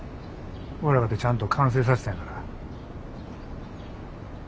俺らかてちゃんと完成さしたんやから。